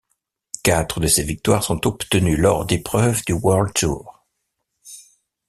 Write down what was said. Quatre de ces victoires sont obtenues lors d'épreuves du World Tour.